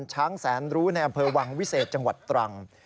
ช้างแสนรู้ในอำเภอวังวิเศษจังหวัดตรัง